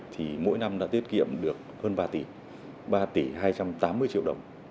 thì mỗi năm đã tiết kiệm được hơn ba tỷ ba tỷ hai trăm tám mươi triệu đồng